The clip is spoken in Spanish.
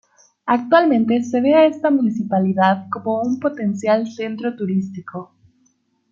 Actualmente se ve a esta municipalidad como un potencial centro turístico.